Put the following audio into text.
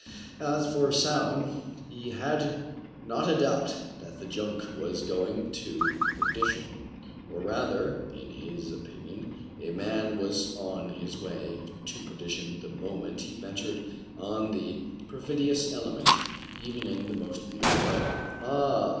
As for Soun, he had not a doubt that the junk was going to perdition ; or rather, in his opinion, a man was on his way to perdition the moment he ventured on the perfidious element, even in the most beautiful weather. Ah